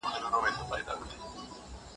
ورور مي وویل چي زه غواړم ډاکټر سم .